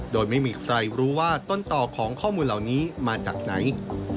โดยไม่มีใครรู้ว่าต้นต่อของข้อมูลเหล่านี้มาจากไหน